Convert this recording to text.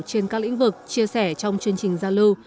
trên các lĩnh vực chia sẻ trong chương trình giao lưu